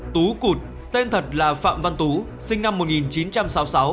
tú cụt tên thật là phạm văn tú sinh năm một nghìn chín trăm sáu mươi sáu